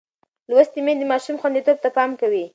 لوستې میندې د ماشوم خوندیتوب ته پام کوي.